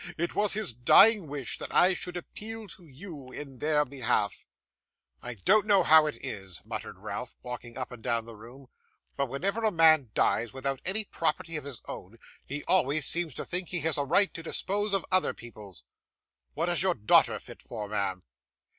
It was his dying wish that I should appeal to you in their behalf.' 'I don't know how it is,' muttered Ralph, walking up and down the room, 'but whenever a man dies without any property of his own, he always seems to think he has a right to dispose of other people's. What is your daughter fit for, ma'am?